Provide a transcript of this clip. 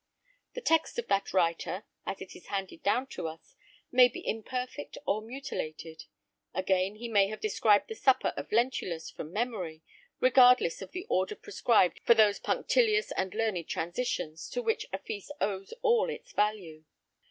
The text of that writer, as it is handed down to us, may be imperfect or mutilated; again, he may have described the supper of Lentulus from memory, regardless of the order prescribed for those punctilious and learned transitions to which a feast owes all its value.